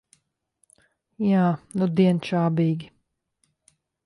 Jā, nudien čābīgi.